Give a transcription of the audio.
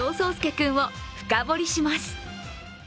君を深掘りします。